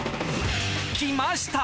きました！